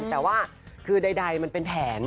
แต่ว่าคือใดมันเป็นแผน